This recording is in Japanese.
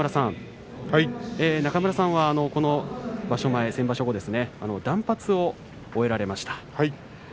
中村さんはこの場所前先場所後断髪を終えられました。